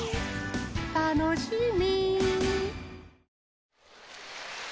たのしみ！